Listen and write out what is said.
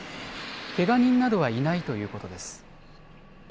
けが人などはいないということです。